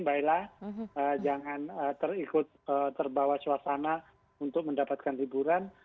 baiklah jangan terikut terbawa suasana untuk mendapatkan liburan